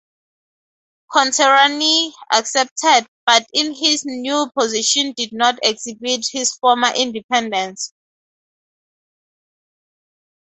Contarini accepted, but in his new position did not exhibit his former independence.